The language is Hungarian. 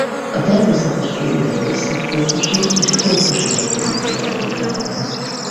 A természetes élőhelye szubtrópusi és trópusi hegyvidéki erdőkben van.